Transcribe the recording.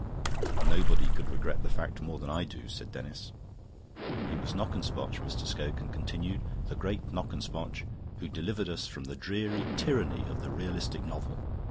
"Nobody could regret the fact more than I do," said Denis. "It was Knockespotch," Mr. Scogan continued, "the great Knockespotch, who delivered us from the dreary tyranny of the realistic novel.